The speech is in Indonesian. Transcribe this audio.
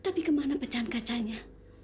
tapi kemana pecahan kacanya